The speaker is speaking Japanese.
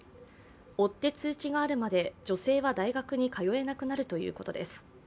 追って通知があるまで女性は大学に通えなくなるということです。